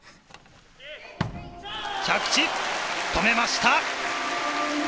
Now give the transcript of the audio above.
着地、止めました。